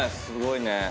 すごいね。